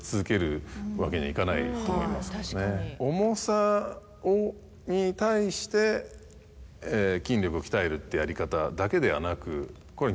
重さに対して筋力を鍛えるってやり方だけではなく。